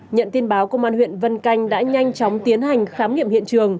nhận tin báo công an huyện vân canh đã nhanh chóng tiến hành khám nghiệm hiện trường